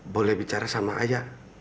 boleh bicara sama ayah